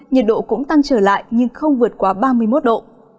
nhiệt độ cũng tăng trở lại nhưng không vượt quá ba mươi một độ